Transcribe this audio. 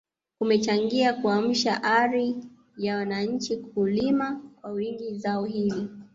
kumechangia kuamsha ari ya wananchi kulima kwa wingi zao hilo